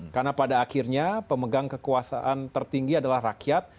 karena pada akhirnya pemegang kekuasaan tertinggi adalah rakyat